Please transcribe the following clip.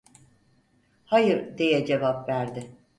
"Hayır!" diye cevap verdi.